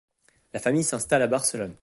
La famille s'installe à Barcelone.